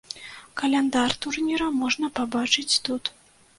Каляндар турніра можна пабачыць тут.